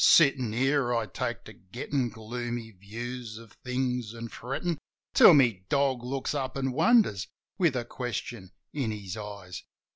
Sittin' here I take to gettin' gloomy views of things, an' frettin' Till my dog looks up, and wonders, with a question in his eyes.